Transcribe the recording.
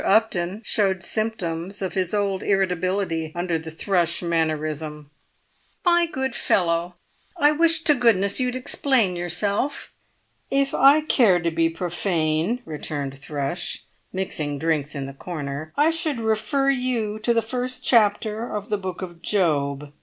Upton showed symptoms of his old irritability under the Thrush mannerism. "My good fellow, I wish to goodness you'd explain yourself!" "If I cared to be profane," returned Thrush, mixing drinks in the corner, "I should refer you to the first chapter of the Book of Job.